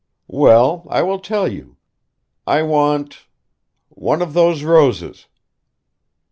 "Well, I will tell you; I want one of those roses."